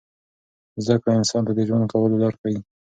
زده کړه انسان ته د ژوند کولو لار ښیي.